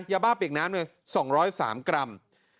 ยาบ้าเปียกน้ำเลย๒๐๓กรัม